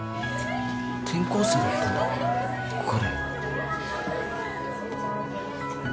転校生だったんだ彼